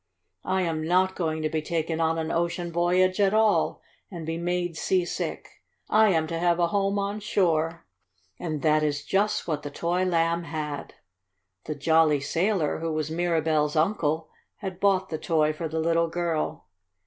"I am not going to be taken on an ocean voyage at all, and be made seasick. I am to have a home on shore!" And that is just what the toy Lamb had. The jolly sailor, who was Mirabell's uncle, had bought the toy for the little girl.